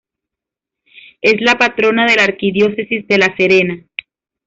Es la patrona de la Arquidiócesis de La Serena.